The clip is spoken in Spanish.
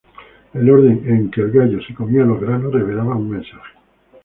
El orden en que el gallo se comía los granos revelaba un mensaje.